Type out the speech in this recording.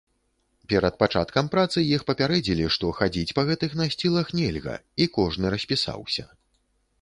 Перад пачаткам працы іх папярэдзілі, што хадзіць па гэтых насцілах нельга і кожны распісаўся.